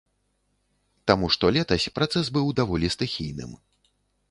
Таму што летась працэс быў даволі стыхійным.